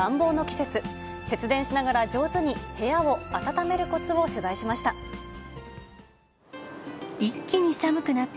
節電しながら上手に部屋を暖めるこつを取材しました。